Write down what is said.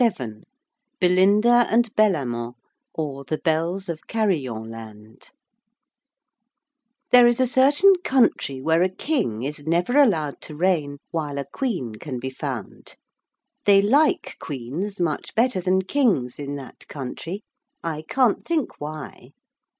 VII BELINDA AND BELLAMANT; OR THE BELLS OF CARRILLON LAND There is a certain country where a king is never allowed to reign while a queen can be found. They like queens much better than kings in that country. I can't think why.